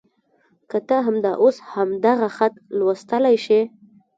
که ته همدا اوس همدغه خط لوستلی شې.